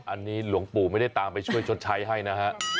อันนี้หลวงปู่ไม่ได้ตามไปช่วยชดใช้ให้นะฮะ